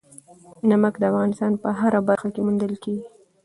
نمک د افغانستان په هره برخه کې موندل کېږي.